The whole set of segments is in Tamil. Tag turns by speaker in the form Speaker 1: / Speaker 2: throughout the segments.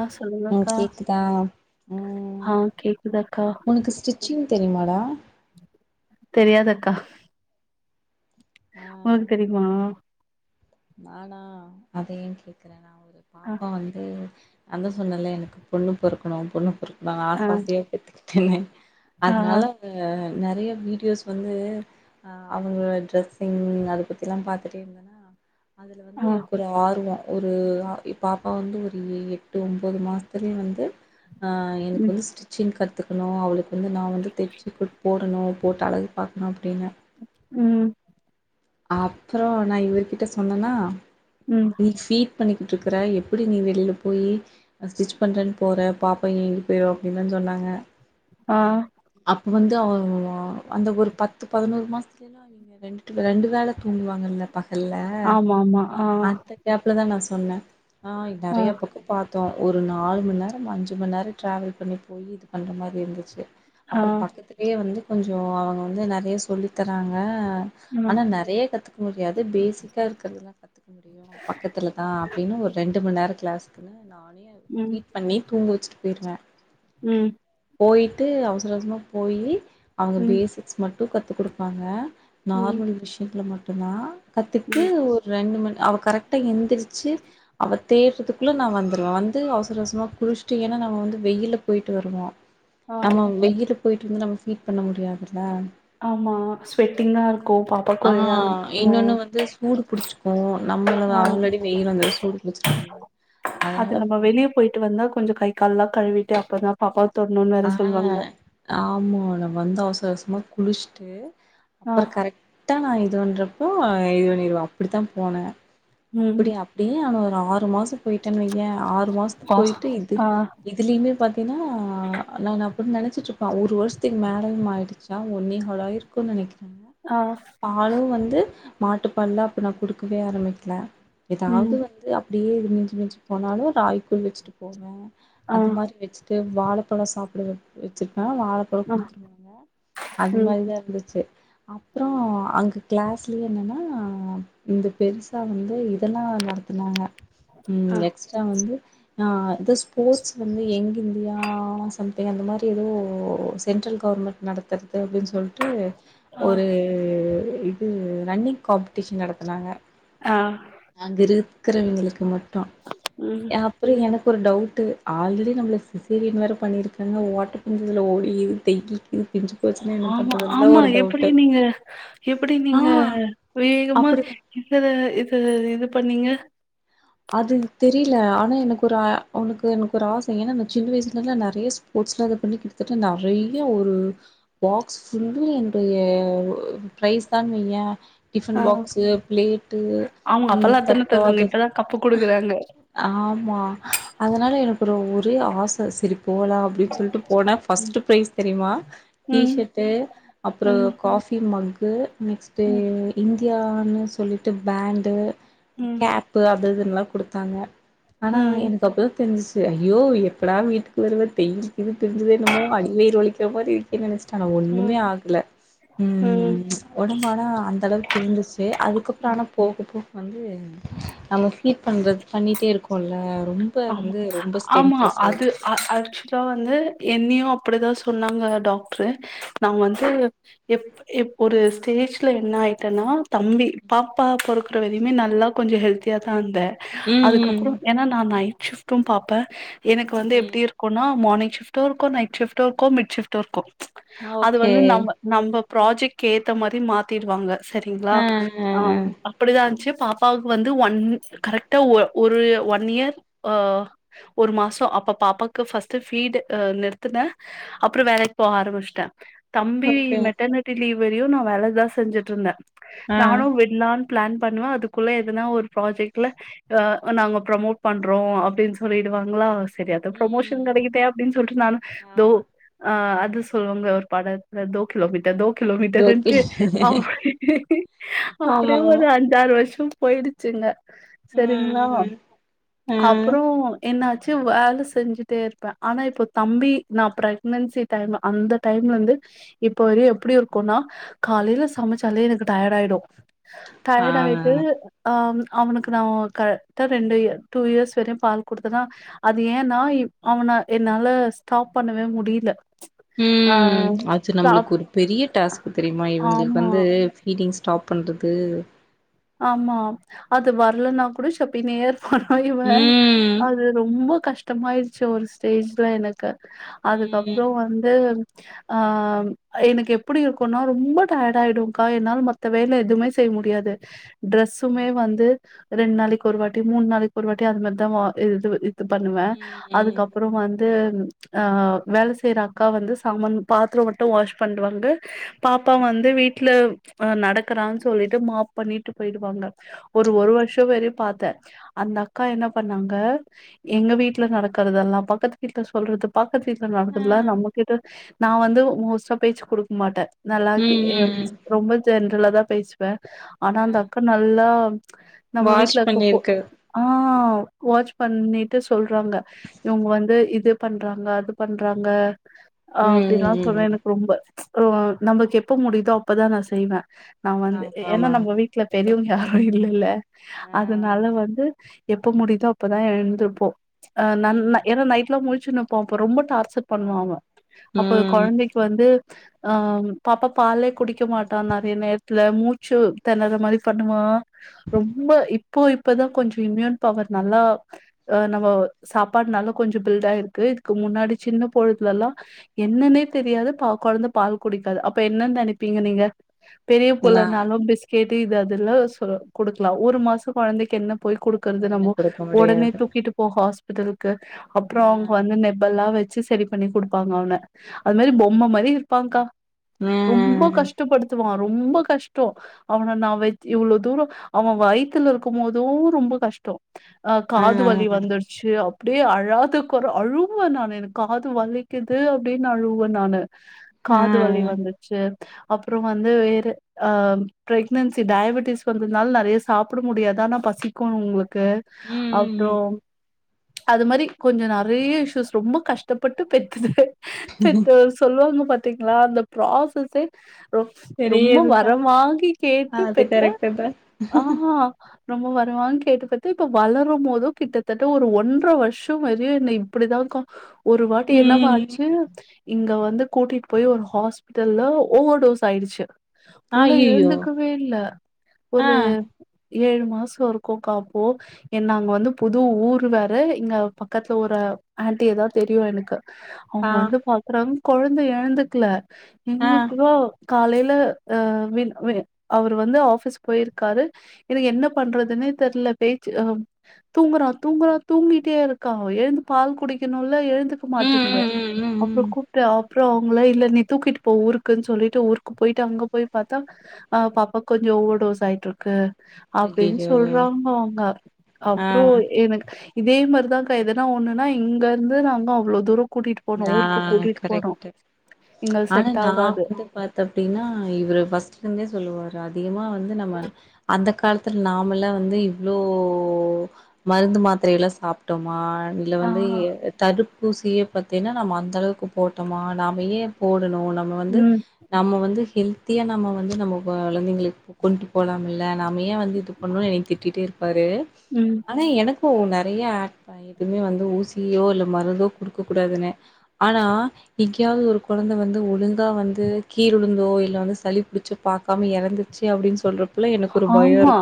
Speaker 1: ஆ
Speaker 2: உம்
Speaker 1: சொல்லுங்கக்கா
Speaker 2: கேக்குதா உம்
Speaker 1: ஆ கேக்குதக்கா
Speaker 2: உனக்கு சிஸ் ச்சின் தெரியமாடா
Speaker 1: தெரியாதுக்கா
Speaker 2: ஆ
Speaker 1: உங்களுக்கு தெரியுமா
Speaker 2: நானா அதன் என் கேக்றே நான் ஒரு
Speaker 1: ஆ
Speaker 2: பாப்பா வந்து அந்த சொன்னல்ல எனக்கு பொண்ணு பொறுக்கணும் பொண்ணு பொறுக்கணு நான் அச
Speaker 1: ஆ
Speaker 2: வாசிய எத் சென்னை
Speaker 1: ஆ
Speaker 2: அதனால நறைய வீடியோஸ் வந்து அஹ் அவங்களோட டிரெஸ்ஸிங் அத பத்தில்லாம் பாத்துட்டே இருந்தேன்னா அதுல வந்து
Speaker 1: ஆ
Speaker 2: எனக்கு ஒரு ஆர்வம் ஒரு பா பாப்பா வந்து ஒரு எட்டு ஒன்பது மாசத்துலயும் வந்து எனக்கு
Speaker 1: ம்
Speaker 2: வந்து ஸ்டிச்சிங் கத் கக்கணும் அவளுக்கு வந்து நான் வந்து தெச்சு குடு போ பணும் போட்டு அழகு பார்க்கணும் அப்படின்னு
Speaker 1: உம்
Speaker 2: அப்புறம் நான் இவர் கிட்ட சொன்னனா
Speaker 1: ம்
Speaker 2: நீ பிட் பண்ணிக்கிட்டு இருக்கற எப்படி நீ வெளியில போய் ஸ்டிச் பண்றன்னு போற பாப்பா எங்கி போயிடுவா அப்படின்னு தான் சொன்னாங்க
Speaker 1: ஆஹ்
Speaker 2: அப்ப வந்து அவ அந்த ஒரு பத்து பதினோரு மாசத்துலைல்லா அவங்க ரெண்டு ரெண்டு வேல தூங்குவாங்கல்ல பகல்ல
Speaker 1: ஆமா ஆமா ஆ
Speaker 2: அந்த கேப்ல தா நா சொன்ன ஆஹ்
Speaker 1: ஆ
Speaker 2: நறைய பக்கம் பாத் மொத்தோ ஒரு நாலு மண் நேரம் அஞ்சு மண் நேர ட்ராவல் பண்ணி போயி இதுபண்ற மாரி இருந்துச்சு
Speaker 1: ஆ ஆ
Speaker 2: அப்புறம் பக்கத்துலேயே வந்து கொஞ்ச சோ வந்து நெறைய சொல்லி தராங்க
Speaker 1: ம்
Speaker 2: ஆனா நெறைய கத்துக்க முடியாது பேசிக்கா இருக்கிறதுல்ல கத்துக்க முடியு பக்கத்துலதா அப்டின்னு ஒரு ரெண்டு மண் நேர க்ளாஸ்க்குனு நா ஃபீட் பண்ணி தூங்க வச்சி போய்ருவ
Speaker 1: உம்
Speaker 2: போயிட்டு அவ அவசரமா போயி அவங்க
Speaker 1: ம்
Speaker 2: பேசிக்ஸ் மட் டு கத்து குடுப்பாங்க நார்மல் விஷயங்கள் மட்டு டுனா
Speaker 1: ம்
Speaker 2: கத்துக்ட்டு ஒரு ரெண்டு மணி நே அவ கரெக்டா எந்திரிச்சு அவ தேடுறதுக்குள்ள நா வந்துருவ வந்து அவசர அவசரமா குளிசிட்டு ஏன்னா நம்ம வந்து வெயில்ல போயிட்டு வருவோ
Speaker 1: ஆ
Speaker 2: நம்ம வெயி போயிட்டுவந்து நம்ம ஃபீட் பண்ண முடியாது துல
Speaker 1: ஆமா ஸ்வெட்டிங்கா இருக்கு பாப்பாக்கு ஒரே அன்
Speaker 2: ஆஹ்
Speaker 1: ஆ
Speaker 2: இன்னொன்னு வந்து சூடு புடிச்சிக்கு நம்மள
Speaker 1: ஆ
Speaker 2: ஆல்ரெடி வெயில் வந்து சூடு புடிச்சிருக்கும்ல
Speaker 1: அது
Speaker 2: அதனால
Speaker 1: நம்ம வெளிய போயிட்டு வந்தா கொஞ்சோ கை கால்லா கழுவிட்டு அப்பதா பாப்பா
Speaker 2: ஆஹ் ஆமா நம்ம வந்து அவசர அவசரமா குளிச்சிட்டு
Speaker 1: ஆ
Speaker 2: அப்புற கரெக் க்ட்டா நா இது பண்றப்போ இது பண்ணிருவா அப்டிதா போனே
Speaker 1: ம்
Speaker 2: அப்டி அப்டியே அவ ஆறு மாச போயிட்டேனு வைய்யே ஆறு மாசத்துக்கு
Speaker 1: பா
Speaker 2: போயிட்டு இது
Speaker 1: ஆ
Speaker 2: இதுலியிமே பாத்தீன்னா நா அப்டி நெனச்சிட்ருப்ப ஒரு வருஷத்துக்கு மேலயுமாயிடுச்சா ஒன்னேகாலாயிருக்கு நெனைக்கிற
Speaker 1: ஆ
Speaker 2: பாலு வந்து மாட்டுப்பால்லா அப்ப நா குடுக்கவே ஆரபிக்கல எதாவுது
Speaker 1: ம்
Speaker 2: வந்து அப்டியே இது மிஞ்சி மிச்சு போனாலு ராய் பூ வெச்சுட்டு போவ
Speaker 1: ஆ
Speaker 2: அது மாரி வெச்சுட்டு வாழ பழோ சாப்புடுவ வெச்சு ஆனா வாழப்பழோம்
Speaker 1: ஆ
Speaker 2: குடுத்துருவாங்க அது
Speaker 1: ம்
Speaker 2: மாரிதா இருந்துச்சு அப்புறோம் அங்கு கிளாஸ்லேயே என்னென்னா இந்த பெருசா வந்து இதெல்லா நடத் துனாங்க உம்
Speaker 1: ஆ
Speaker 2: எக்ஸ்ட்ரா வந்து ஆஹ் இந்த ஸ்போட்ஸ் வந்து யங் இந்தியா ஆ சம்திங் அந்த மாதிரி எதோ சென்ட்ரல் கவுர்மெண்ட் நடத்தர் ததுன் சொல்லிட்டு
Speaker 1: ஆ
Speaker 2: ஒரு இது ரன்னிங் காம்பிட்டிஷன் நடத்துனாங்க
Speaker 1: ஆஹ்
Speaker 2: அங்க இருக்கிறவுங்களுக்கு மட் டு
Speaker 1: ம்
Speaker 2: அப்று எனக்கும் தான் ஒரு டவுட்டு ஆல்ரெடி நம்ளக்கு சிசேரியன் வேற பண்ணிருக்காங்க ஓட்ட பந்துதில ஓடி இது தைக்கி
Speaker 1: ஆமா ஆமா எப்டி
Speaker 2: டவுட்டு
Speaker 1: நீங்க எப்டி
Speaker 2: ஆ
Speaker 1: நீங்க வேகமா
Speaker 2: அப்டி
Speaker 1: இதுல இது இது பண்ணீங்க
Speaker 2: அது தெரிலே ஆனா எனக்கு ஒரு ஆ உனுக்கு எனக்கொரு ஆசை ஏனா நா சின்ன வய்சுலே இருந்து நெறையா ஸ்போட்ஸ்ல அத பண்ணி கிட்டத்தட்ட நெறையா ஒரு பாக்ஸ் ஃபுல்லு என்டுய பிரைஸ் தான் வையேன் டிஃபன்
Speaker 1: ஆ
Speaker 2: பாக்ஸு பிளேட்டு
Speaker 1: அவங்க
Speaker 2: உம்
Speaker 1: அப்பெல்லா அத்தான
Speaker 2: தட்டோ
Speaker 1: தருவாங்க
Speaker 2: அது
Speaker 1: இப்பதா கப்பு குடுக்குறாங்க
Speaker 2: ஆமா அதனால எனக்குள்ள ஒரே ஆச சரி போலாம் அப்டின்டு சொல்லிட்டு போனே
Speaker 1: ம்
Speaker 2: ஃபர்ஸ்ட்டு ப்ரைஸ் தெரிமா
Speaker 1: ம்
Speaker 2: டீஷர்ட்டு அப்றோ
Speaker 1: ம்
Speaker 2: காஃபி மக் து நெக்ஸ்ட்டு
Speaker 1: ம்
Speaker 2: இந் இந்தியான்னு சொல்லிட்டு பேண்டு
Speaker 1: ம்
Speaker 2: கேப் அந்தததுல்லா குடுத்தாங்க ஆனா
Speaker 1: ம்
Speaker 2: எனக்கு அப்பதா தெரிஞ்ஸ் து ஐயோ எப்படா வீட்டுக்கு வருவேன் தேய்ஞ்சு பிருஞ்சு போயிருமோ அடிவயிறு வலிக்கிற மாரி இருக்கே நெனச் ஆனா
Speaker 1: ம்
Speaker 2: ஒண்ணுமே ஆகுல
Speaker 1: ம்.
Speaker 2: உம் ஒடம்பானா அந்த அளவுக்கு இருந்துச்சு அதுக்கப்றோ ஆனா போகப் போ வந்து அங்க கீ பண்றது பண்ணிட்டே இருக் போல
Speaker 1: ஆமா ஆமா அது அ ஆக்சுலா வந்து என்னியும் அப்டிதா சொன்னாங்க டாக்ட்ரு நான் வந்து எப் எப் ஒரு ஸ்டேஜ்ல என்ன ஆயிட்டன்னா தம்பி பாப்பா பொறக்குற வரைக்குமே நல்லா கொஞ்சம் ஹெல்த்தியா தாந்த
Speaker 2: ம் ம்
Speaker 1: அதுக்கப்றோம் ஏனா நா நை ஷிஃப்டும் பாப்பேன் எனக்கு வந்து
Speaker 2: ம்
Speaker 1: எப்படி இருக்குன்னா மார்னிங் ஷிஃப்டும் இருக்கும் நைட் ஷிஃப்டும் இருக்கும் மிட் ஷிஃப்டும் இருக்கும் அது
Speaker 2: ஓகே
Speaker 1: வந்து நம்ம நம்ம ப்ராஜெக்கு ஏத்த மாரி மாத்திடுவாங்க சரிங்க்ளா
Speaker 2: ஆ ஆ ஆ
Speaker 1: ஆஹ் அப்படிதா இன்சு பாப்பாவுக்கு வந்து ஒன் கரெக்டா ஒ ஒரு ஒன் இயர் ஆஹ் ஒரு மாசொ அப்ப பாப்பாக்கு ஃபர்ஸ்ட்டு ஃபீடு நிறுத்துனே அப்புறொ வேலைக்கு போக ஆரம்பிச்சுட்டே தம்பி
Speaker 2: ஓகே
Speaker 1: மெட்டர்னிட்டி லீவ் வெரியு நா வேலதா செஞ்சுட்டு இருந்தே
Speaker 2: ஆ
Speaker 1: நானு விட்லான் பிளான் பண்ணுவே அதுக்குள்ள எதுனா ஒரு ப்ராஜெக்ட்ல அ நாங்க ப்ரொமோட் பண் றோ அப்டின்னு சொல்லிடுவாங்களா சரி அத
Speaker 2: ம்
Speaker 1: ப்ரொமோஷன்
Speaker 2: ம் ம்
Speaker 1: கெடைக்குதே அப்டின்னு சொல்லிட்டு நானு தோ
Speaker 2: ஆமா
Speaker 1: ஆ அத் து சொல்லுவாங்க ஒரு படத்துல தோ கெலம்பிட்ட தோ கெலம்பிட்ட
Speaker 2: ஓகே
Speaker 1: அப்டின்டு அவ்
Speaker 2: ஆமா
Speaker 1: அப்டியே
Speaker 2: ஆமா
Speaker 1: ஒரு அஞ்சாரு வருஷொ போயிடுச்சுங்க சரிங்களா
Speaker 2: ம் ம்
Speaker 1: என்னாச்சு வேல செஞ்சுட்டே இருப்பே ஆனா இப்போ தம்பி நா பிரரெக்னன்சி டைம் அந்த டைம்ல இருந்து இப்ப வரியு எப்டி இருக்குனா காலையில சமச்சாலே எனக்கு டயர்ட் ஆயிடு
Speaker 2: ஆ
Speaker 1: டயட்
Speaker 2: ஆ
Speaker 1: ஆயிட்டு அஹ்ம் அவனுக்கு நா கரெக்டா ரெண்டு டூ இயர்ஸ் வரையு பால் குடுத்தெனா அது ஏன்னா இ அவன என்னால ஸ்டாப் பண்ணவே முடியில
Speaker 2: ம் அது நம்மளுக்கு ஒரு பெரிய டாஸ்க்கு தெரியுமா இவங்களுக்கு
Speaker 1: ஆமா
Speaker 2: வந்து ஃபிடிங்க்ஸ் ஸ்டாப் பண்றது
Speaker 1: ஆமா அது வரலன்னா கூட சப்பினே பான
Speaker 2: ம்
Speaker 1: அது ரொம்ப கஷ்டமாயிடுச்சு ஒரு ஸ்டேஜ்ல எனக்கு
Speaker 2: ம்
Speaker 1: அதுக்கப்புறொ வந்து ஆஹ் எனக்கு எப்டி இருக்குனா ரொம்ப டயட் ஆயிடுக்கா என்னால மத்த வேல எதுவுமே செய்ய முடியாது ட்ரெஸ்ஸுமே வந்து ரெண்டு நாளைக்கு ஒரு வாட்டி மூணு நாளைக்கு ஒரு வாட்டி அது மாரிதா வ இது இ து பண்ணுவே
Speaker 2: ம் ம்
Speaker 1: அதுக்கப்புறொ வந்து அஹ் வேல செய்யுற அக்கா வந்து சாமான் பாத்திரொ மட்டு வாஷ் பண்டுவாங்க பாப்பா வந்து வீட்ல அ நடக்கறான்னு சொல்லிட்டு மாப் பண்ணிட்டு போயிடுவாங்க ஒரு ஒரு வருஷொ வரயொ பாத்தே அந்த அக்கா என்ன பண்ணாங்க எங்க வீட்ல நடக்கறதெல்லா பக்கத்து வீட்ல சொல்றது பக் கத்து வீட்ல
Speaker 2: ஆ
Speaker 1: நடக்குதுறதெல்லா நம்மகிட்ட நா வந்து மோஸ்ட்டா பேச்சு கொடுக்க மாட்டே நல்லா கே
Speaker 2: ம்
Speaker 1: எ
Speaker 2: ம் ம்
Speaker 1: ரொம்ப ஜென்ரலா தா பேசுவே ஆனா
Speaker 2: ஆ
Speaker 1: அந்த அக்கா நல்லா நம்ம
Speaker 2: வாஷ்
Speaker 1: வீட்ல அக்க போ
Speaker 2: பண்ணிருக்கு
Speaker 1: ஆஹ் வாட்ச் பண்ணிட்டு சொல் காங்க இவங்க வந்து இ இது பண்றாங்க அது பண்றாங்க ஆ
Speaker 2: ம்
Speaker 1: அப்டில்லா
Speaker 2: ம் ம்
Speaker 1: [unintelligible]
Speaker 2: ம்
Speaker 1: எனக்கு ரொம்ப கு நமக்கு எப்ப முடியுதோ அப்பதா நா செய்வே நா வந்து
Speaker 2: ஆமா
Speaker 1: ஏனா
Speaker 2: ஆமா ஆமா
Speaker 1: நம் தெரியவங்க யாரும் இல்லல்ல
Speaker 2: ஆ
Speaker 1: அதனால வந்து எப்ப முடியுதோ அப்பதா எழுந்திருப்போ அ நா ந
Speaker 2: ம்
Speaker 1: ஏனா நைட்லா முழி சின்னப்போ அப்போ ரொம்ப டார்ச் சர் பண்ணுவாங்க
Speaker 2: ஆமா
Speaker 1: அப்ப
Speaker 2: ம்
Speaker 1: கொழந்தைக்கு வந்து ஆ பாப்பா பாலே குடிக்க மாட்டா நெறைய நேரத்துல மூச்சு தெனற மாரி பண்ணுவா ரொம்ப இப்போ இப்பதா கொஞ்சோ இம்யூன் பவர் நல்லா ஆ நம்ம சாப்பாடுனால கொஞ்சோ பில்டாயிருக்கு இதுக்கு முன்னாடி சின்ன பொழுதுலலா என்னன்னே தெரியாது பா கொழந்த பால் குடிக்காது அப்ப என்னன் நெனைப்பீங்க நீங்க பெரிய
Speaker 2: நா
Speaker 1: புள்ளனாலு பே கேட்டு இது அதுல சொல் குடுக்கலா ஒரு மாசொ கொழந்தைக்கு என்ன போய் குடுக்கறது
Speaker 2: என்ன
Speaker 1: நம்போ
Speaker 2: குடுக்க
Speaker 1: உடனே
Speaker 2: முடியாது
Speaker 1: தூக்கிட்டு போக ஹாஸ் [unintelligible] க்கு அப்ற
Speaker 2: ஆ
Speaker 1: அவங்க வந்து நெபல்லா வச் வச்சு சேரி பண்ணி குடுப்பாங்க அவன அது மாரி பொம்ம மாரி இருப்பாகா
Speaker 2: ஆ
Speaker 1: ரொம்ப கஷ்டப்படுத்துவா ரொம்ப கஷ்டொ அவன நா வச் இவ்ளோ தூரொ அவ வயித்துல இருக்குபோதும் ரொம்ப கஷ்டொ ஆ காது வலி வந்துருச்சு அப் அப்டியே அழாதுக் அழுவே நானு எனக்கு காது வலிக்குது அப்டின் அழுவே நானு
Speaker 2: ஆ
Speaker 1: காது வலி வந்துர்ச்சு அப்ற வந்து இரு ஆ பிரெக்னன்சி டயபட்டிஸ் வந்ததுனால நெறய சாப்பிட முடியாது ஆனா பசிக்கு [unintelligible] க்கு
Speaker 2: ம் ம் ம்
Speaker 1: அப்றம் அது மாரி கொஞ்சோ நெறய இஷூஸ் ரொம்ப கஷ்டப்பட்டு பெத்த [unintelligible] சொல்லுவாங்க பாத் திங்ளா அந்த ப்ராசஸே ரொ ரொம்ப
Speaker 2: பெரியதுதா
Speaker 1: வரொவாங்கி கேட்டு
Speaker 2: அது
Speaker 1: பெத்த
Speaker 2: கரெக்ட்டு தா
Speaker 1: ஆ ஹா [unintelligible] கேட்டு பெத்து இப்ப வளரும் மோது கிட்டத்தட்ட ஒரு ஒன்றரை வர்ஷோ வரியு என்ன இப்டிதா கா ஒரு வாட்டி என்னவா
Speaker 2: ம்
Speaker 1: ஆச்சு இங்க வந்து கூட்டீட்டு போய் ஒரு ஹாஸ்பிட்டல்ல ஓவர் டோஸ் ஆயிடுச்சு புள்ள
Speaker 2: அய்யய்யோ
Speaker 1: எழுந்து க்கவே இல்ல ஒரு
Speaker 2: ஆ
Speaker 1: ஏழு மாசோ இருக்குகா அப்போ என் நாங்க வந்து புது ஊரு வேற. இங்க பக்கத்துல ஒரு ஆண்டியதா தெரியு எனக்கு
Speaker 2: ஆ
Speaker 1: அவுங்க வந்து பாக்குறாங் கொழந்த எழுந்துக்கல
Speaker 2: ஆ
Speaker 1: இன்னிக்கொ காலைல அஹ் வின் வி அவுரு வந்து ஆஃபிஸ் போய்ருக்காரு. எனக்கு என்ன பண்றதுன்னே தெர்ல. பேச்சு தூங்கறா தூங்கறா தூங்கிட்டே இருக்கா. எழுந்து பால் குடிக்கணும் ல எழுந்துக்க
Speaker 2: ம்
Speaker 1: மாட்டேன்து
Speaker 2: ம் ம் ம்
Speaker 1: அப்புறோ
Speaker 2: ம்
Speaker 1: கூப்டு ஆப் அப்புற அவங்களே இல்ல நீ தூக்கிட்டு போ ஊருக்குன் சொல்லிட்டு ஊருக்கு போய்ட்டு அங்க போய் பாத்தா ஆஹ் பாப்பா கொஞ்சோ ஓவர் டோஸ் ஆயிட்டிருக்கு. அப்டின்
Speaker 2: ஐயையோ
Speaker 1: சொல்றாங்க அவுங்க.
Speaker 2: ஆ
Speaker 1: அப்றோ எனக் இதே மாரிதாக்கா எதுனா ஒண்ணுன்னா இங்க இருந்து நாங்க அவ்ளோ தூரோ கூட்டிட்டு போனோ ஊருக்கு
Speaker 2: ஆஹ்
Speaker 1: கூட்டிட்டு போனோ
Speaker 2: கரெக்டு
Speaker 1: எங்களுக்கு
Speaker 2: ஆனா
Speaker 1: செட்
Speaker 2: நா
Speaker 1: ஆகாது
Speaker 2: வந்து பாத்த அப்டீன்னா இவரு பஸ்ட்ல இருந்தே சொல்லுவாரு அதிகமா வந் வந்து நம்ம அந்தக் காலத்துல நாமெல்லா வந்து இவ்ளோ மருந்து மாத்திரெல்லா சாப்பிட்டோமா மா இல்ல
Speaker 1: ஆ
Speaker 2: வந்து தடுப்பூசிய பத்தீன்னா நம்ம அந்தளவுக்கு போட்டமா நாம ஏ போட் டனு நம்ம வந்து
Speaker 1: ம்
Speaker 2: நம்ம வந்து ஹெல்த்தியா நம்ம வந்து நம்ம கொழந்தைங்களுக்கு கொண்ட்டு போலாம்ல நா நீ ஏ வந்து இப்டி பண்ணூன் என்னை திட்டிட்டே இருப்பாரு.
Speaker 1: ம்
Speaker 2: ஆனா எனக்கூ நெ நெறைய ஆட் எதூமே வந்து ஊசியோ இல்ல மருந்தோ குடு க்க கூடாதுனு ஆனா எங்கயாவது ஒரு கொழந்த வந்து ஒழுங்கா வந்து கீழுந்தோ இல்ல வந்து சளிபுடிச்சு பாக்காம எறந்துச்சு அப்டினு சொல்றப்
Speaker 1: ஆமா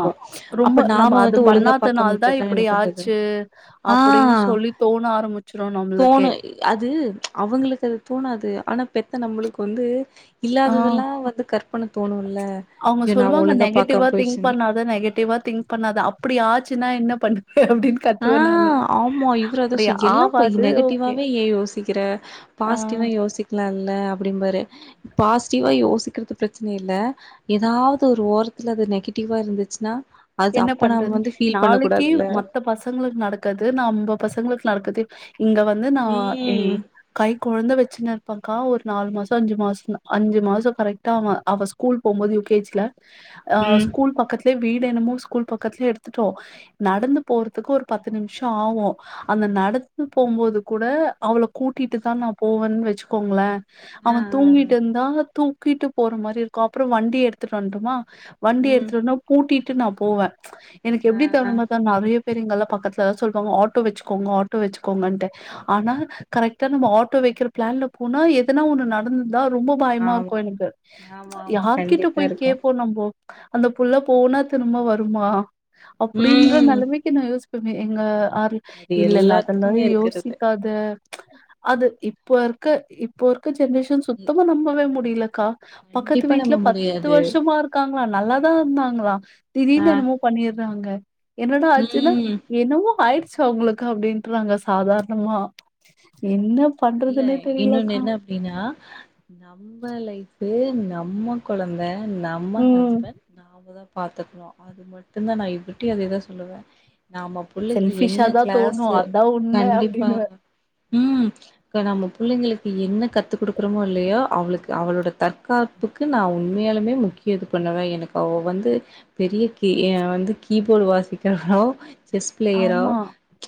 Speaker 1: ரொம்ப நம்ம
Speaker 2: நாம
Speaker 1: அது
Speaker 2: வந்து ஒழுங்கா பாக்காம
Speaker 1: பண்ணாதனால்தா
Speaker 2: விட்டுட்டா என்ன
Speaker 1: இப்டி
Speaker 2: பண்றது?
Speaker 1: ஆச்சு.
Speaker 2: ஆ
Speaker 1: அப்டின் சொல்லி தோண ஆரம்பிச்சுரு நம்ளுக்கு
Speaker 2: தோணு அது அவுங்களுக்கு அது தோ ணாது ஆனா பெத்த நம்மளுக்கு வந்து
Speaker 1: ஆஹ்
Speaker 2: இல்லாததெல்லாம் வந்து கற்பன தோணும்ல.
Speaker 1: அவுங்க
Speaker 2: ஐயோ! நாம
Speaker 1: சொல்வாங்க
Speaker 2: ஒழுங்கா
Speaker 1: நெகட்டிவா
Speaker 2: பாக்காம
Speaker 1: திங்க்
Speaker 2: போயிடுச்சுன்னா
Speaker 1: பண்ணாத நெகட்டிவா திங்க் பண்ணாத அப்டி ஆச்சுன்னா என்ன பண்
Speaker 2: ஆ ஆமா இவர் அத
Speaker 1: அப்டி
Speaker 2: செய் எல்லா போய்
Speaker 1: ஆவாது ஓகே
Speaker 2: நெகட்டிவாவே ஏன் யோசிக்கிற
Speaker 1: ஆ
Speaker 2: பாசிட்டிவா யோசிக்கலா இல்ல அப்டின் பாரு பாசிட்டிவா யோசிக்கிறது பிரச்சன இல்ல ஏதாவது ஒரு ஓரத்துல அது நெகட்டிவா இருந்துச்சுன்னா அது
Speaker 1: என்ன
Speaker 2: அப்ப நம்ம
Speaker 1: பண்றது
Speaker 2: வந்து ஃபீல் பண்ண
Speaker 1: நாளைக்கு
Speaker 2: கூடாதுல்ல
Speaker 1: மத்த பசங்களுக்கு நடக்காது நம்ப பசங்களுக்கு நடக்குது இங்க வந்து நா ஏ
Speaker 2: ம்
Speaker 1: கை கொழந்த வெச்சுன்னு இருப்பன்க்கா ஒரு நாலு மாசோ அஞ்சு மாசத்ல அஞ்சு மாசோ கரெக்டாக அவ அவ ஸ்கூல் போகும்போது யு கே ஜி ல அஹ்
Speaker 2: ம்
Speaker 1: ஸ்கூல் பக்கத்துலயே வீடு என்னமோ ஸ்கூல் பக்கத்துலயே எடுத்துட்டோ நடந்து போறதுக்கு ஒரு பத்து நிமிஷோ ஆகோ அந்த நடந்து போம்போது கூட அவள கூட்டிட்டு தா நா போவேன்னு வெச்சுக்கோங்களே
Speaker 2: ஆ
Speaker 1: அவன்
Speaker 2: ஆ
Speaker 1: தூங்கிட்டு
Speaker 2: ஆ
Speaker 1: இருந்தா தூ தூக்கிட்டு போற மாரி இருக்கு அப்றோ வண்டி எடுத்துட்டு வன்டோமா வண்டி
Speaker 2: ம்
Speaker 1: எடுத்துட்டோனா பூட்டிட் ட்டு நா போவே எனக்கு
Speaker 2: ஆ
Speaker 1: எப்டி
Speaker 2: ஆ
Speaker 1: தோணுமாதா நெறைய பெரியவங்கல்லா பக்கத்துல சொல்வாங்க ஆட்டோ வெச்சுக்கோங்க ஆட்டோ வெச்சுக்கோங்கண்டு ஆனா கரெக்டா நம்ம ஆட்டோ வெக்கிற பிளான்ல போனா எதனா ஒன்னு நடந் தா ரொம்ப பயமா இருக்கோ
Speaker 2: ஆமா
Speaker 1: எனக்கு
Speaker 2: ஆமா ஆமா
Speaker 1: யார்கிட்ட
Speaker 2: கண்டிப்பா
Speaker 1: போய்
Speaker 2: இருக்கு
Speaker 1: கேப்போ நம்போ அந்த புள்ள போனா திரும்ப வ ருமா அப்டின்ற
Speaker 2: ம்
Speaker 1: நெலைமைக்கு நா யோசி ப்போமே எங்க ஆறு
Speaker 2: அது
Speaker 1: இல்லல அதெல்லா
Speaker 2: எல்லாத்துக்குமே இருக்கிறது
Speaker 1: யோசிக்காத ச் அது இப்போ இருக்க இப்போ ருக்க ஜென்ரேஷன்
Speaker 2: இ-
Speaker 1: சுத்தமா நம்பவே மு டிலக்கா பக்கத்து
Speaker 2: கண்டிப்பா
Speaker 1: வீட்ல
Speaker 2: நம்ம
Speaker 1: பத்து
Speaker 2: முடியாது
Speaker 1: வருஷமா இருக்காங்களா நல்லா தா இருந்தாங்களா
Speaker 2: ஆ
Speaker 1: திடீர்னு என்னமோ பண்ணி றாங்க என்னடா ஆச்சுன்னா
Speaker 2: ம்
Speaker 1: என்னமோ ஆய்டுச் சு அவுங்களுக்கு அப்டின்றாங்க சாதாரணமா என்ன
Speaker 2: இல்ல
Speaker 1: பண்றதுன்னே
Speaker 2: இன்னொன்னு
Speaker 1: தெரியலக்கா
Speaker 2: என்ன அப்டின்னா நம்ம லைஃப் ஃபு நம்ம கொழந்த த நம்ம
Speaker 1: ம்
Speaker 2: ஹஸ்பண்ட் நமக்கு தான் பாத்துக்கணும் அது மட்டும்தான் நான் இவர்ட்டியும் அதேதான் சொல்லுவேன் நம்ம புள்ளைக்கு
Speaker 1: செல்ஃபிஷா
Speaker 2: என்ன
Speaker 1: தா தோணு
Speaker 2: கிளாஸ்ஸு
Speaker 1: அதா உண்ம
Speaker 2: கண்டிப்பா
Speaker 1: அப்டின்னுவே
Speaker 2: உம் இப்ப நம்ம புள்ளிங்களுக்கு என்ன கத்து கிடுக்குறோமோ இல்லயோ அவளுக்கு அவளோட தற்காப்பு நா உண்மையாலுமே முக்கியம் இது பண்ணுவே எனக்கு அவ வந்து பெரிய கீ என் வந்து கீபோர்டு வாசிக்கிறானோ செஸ் பிளேயரா ஆம்
Speaker 1: ஆமா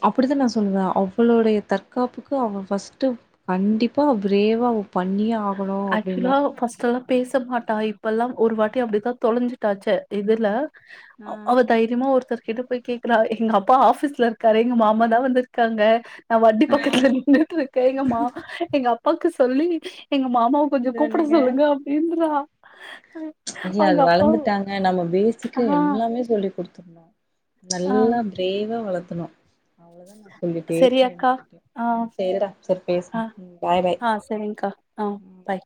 Speaker 2: அப்டித்த நா சொல்லுவே அவளோடைய தற்காப்புக்கு அவ ஃபர்ஸ்ட் டு கண்டிப்பா பிரேவாவ பண்ணியே ஆகனு
Speaker 1: ஆக்சுவலா ஃபர்ஸ்ட் அவ பேச மாட்டா இப் இப்பெல்லா ஒரு வாட்டி அப்டி தா தொலைஞ்சிட்டா சே எதிர்ல அஹ்
Speaker 2: ஆ
Speaker 1: அவ தைரியமா ஒருத்தர் கிட்ட போய் கேக்குறா எங்க அப்பா ஆபீஸ்ல இருக்காரு எங்க மாமா தா வந்திருக்காங்க நா வண்டி
Speaker 2: ஆ
Speaker 1: பக்கத்துல நின்னுட்டு இருக்க எங்க மாமா எங்க அப் அப்பாக்கு சொல்லி எங்க மாமாவ கொஞ்சோ
Speaker 2: இது
Speaker 1: கூப்பிட
Speaker 2: ஒண்ணுங்க
Speaker 1: சொல்லுங்க அப்டின்றா
Speaker 2: இல்ல
Speaker 1: அவங்க
Speaker 2: அது
Speaker 1: அப்பாவு
Speaker 2: வளர்ந்துட்டாங்க நம்ம
Speaker 1: ஆ,
Speaker 2: பேசிக்கா எல்லாமே சொல்லி் குடுத்துருனு
Speaker 1: ஆ
Speaker 2: நல்லா பிரேவா வளத்து துணு அவ்ளோ தா நா சொல்லிட்டே
Speaker 1: சரி
Speaker 2: இருப்பே
Speaker 1: அக்கா.
Speaker 2: இவர்ட
Speaker 1: ஆ,
Speaker 2: சேரிடா செரி
Speaker 1: ஆ,
Speaker 2: பேசலா பாய் பாய்
Speaker 1: ஆ சரிங்க்கா. ஆ, பாய்.